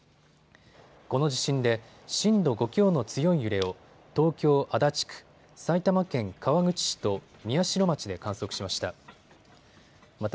この地震で震度５強の強い揺れを東京足立区、埼玉県川口市と宮代町で観測しました。